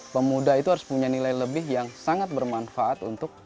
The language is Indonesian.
pemuda itu harus punya nilai lebih yang sangat bermanfaat untuk